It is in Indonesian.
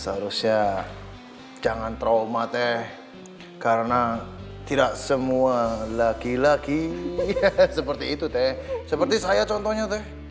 seharusnya jangan trauma teh karena tidak semua laki laki seperti itu teh seperti saya contohnya teh